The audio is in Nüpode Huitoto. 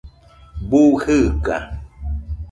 Bu jɨɨka